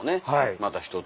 また１つ。